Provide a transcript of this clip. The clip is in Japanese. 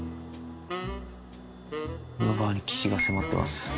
むぅばあに危機が迫ってます。